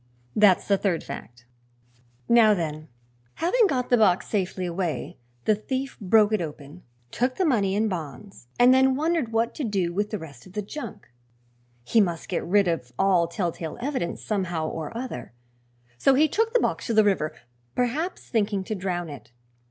That's the third fact. "Now, then, having got the box safely away, the thief broke it open, took the money and bonds, and then wondered what to do with the rest of the junk. He must get rid of all telltale evidence, somehow or other, so he took the box to the river, perhaps thinking to drown it.